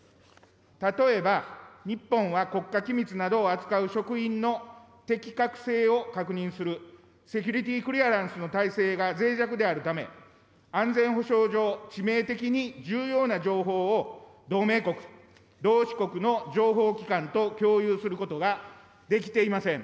例えば、日本は国家機密などを扱う職員の適格性を確認するセキュリティ・クリアランスの体制がぜい弱であるため、安全保障上致命的に重要な情報を同盟国・同志国の情報機関と共有することができていません。